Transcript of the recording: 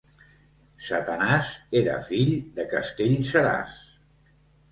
Satanàs era fill de Castellseràs.